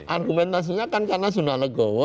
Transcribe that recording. argumentasinya kan karena suna legowo